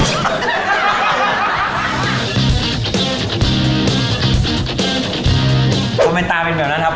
ทำไมตาเป็นแบบนั้นครับ